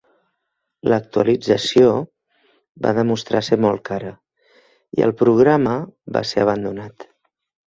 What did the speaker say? L'actualització va demostrar ser molt cara, i el programa va ser abandonat.